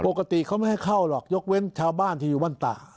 ปกติเขาไม่ให้เข้าหรอกยกเว้นชาวบ้านที่อยู่บ้านต่า